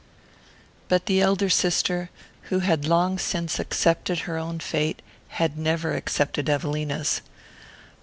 But the elder sister, who had long since accepted her own fate, had never accepted Evelina's.